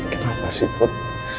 kenapa sih put